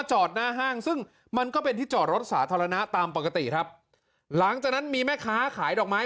ตอนนี้นะตามปกติครับหลังจากนั้นมีแม่ค้าขายดอกไม้